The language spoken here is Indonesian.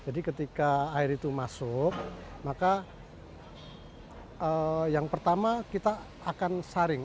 jadi ketika air itu masuk maka yang pertama kita akan saring